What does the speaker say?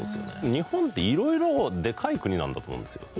日本って色々デカい国なんだと思うんですよ。